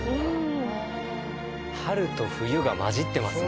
春と冬が交ってますね。